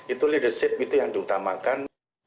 itu leadership itu yang diutamakan